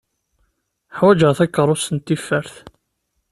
Ḥwaǧeɣ takeṛust n tifert.